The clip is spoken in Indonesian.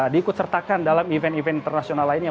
diikut sertakan dalam event event internasional lainnya